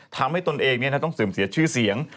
ตนเองต้องเสื่อมเสียชื่อเสียง